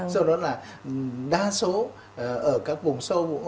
do đó là đa số ở các vùng sâu